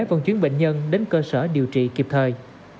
vận chuyển bệnh nhân đến cơ sở điều trị kịp thời